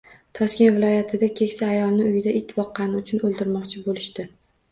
Toshkent viloyatida keksa ayolni uyida it boqqani uchun o‘ldirmoqchi bo‘lishdi